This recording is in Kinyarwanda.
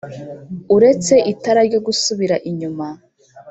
uretse itara ryo gusubira inyuma